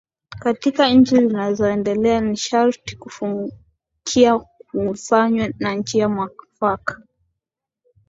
Katika nchi zilizoendelea ni sharti kufukia kufanywe kwa njia mwafaka